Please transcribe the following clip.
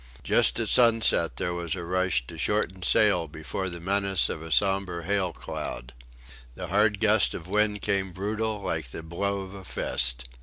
Just at sunset there was a rush to shorten sail before the menace of a sombre hail cloud. The hard gust of wind came brutal like the blow of a fist.